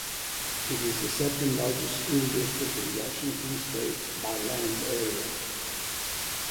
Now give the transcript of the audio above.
It is the second largest school district in Washington State by land area.